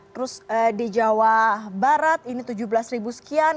terus di jawa barat ini tujuh belas ribu sekian